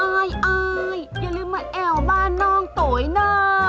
อายอายอย่าลืมมาแอวบ้านน้องโตยนะ